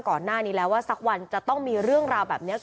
ก่อนหน้านี้แล้วว่าสักวันจะต้องมีเรื่องราวแบบนี้